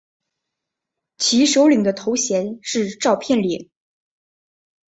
其首领的头衔是召片领。